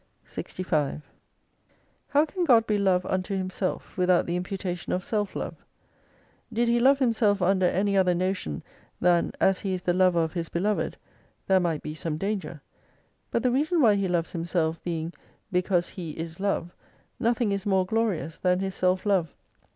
65 How can God be Love unto Himself, without the imputation of self love ? Did He love Himself under any other notion than as He is the lover of His beloved : there might be some danger. But the reason why He loves Himself being because He is Love, nothing is more glorious than His self love.